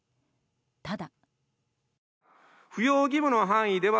ただ。